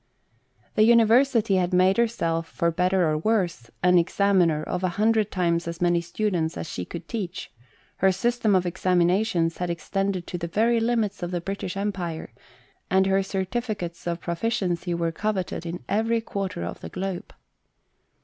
The University had made herself, for better or worse, an examiner of a hundred times as many students as she could teach; her system of examinations had extended to the very limits of the British Empire, and her certifi es GHOST TALES. cates of proficiency were coveted in every quarter of the globe.